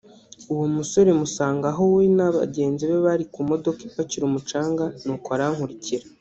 uwo musore musanga aho we na bagenzi be bari ku modoka ipakira umucanga nuko arankurikira